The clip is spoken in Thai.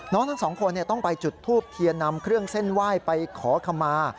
ทั้งสองคนต้องไปจุดทูบเทียนนำเครื่องเส้นไหว้ไปขอขมา